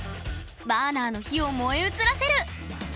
バーナーの火を燃え移らせる！